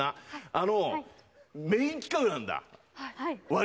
あの、メイン企画なんだ。